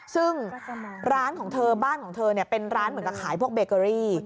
ซึ่งร้านของเธอบ้านของเธอเป็นร้านเหมือนกับขายพวกเบเกอรี่